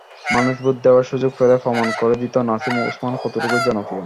মানুষ ভোট দেওয়ার সুযোগ পেলে প্রমাণ করে দিত, নাসিম ওসমান কতটুকু জনপ্রিয়।